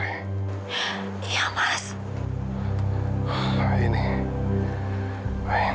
sudah dua hari mas iksan tidak sadar